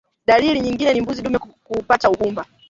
Dalili nyingine ni mbuzi dume kuapata ugumba